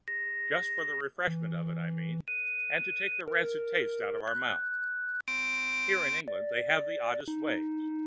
Just for the refreshment of it, I mean, and to take the rancid taste out of our mouth. Here in England they have the oddest ways.